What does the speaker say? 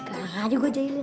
ke biasa itu